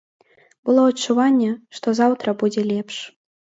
Было адчуванне, што заўтра будзе лепш.